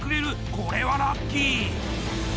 これはラッキー。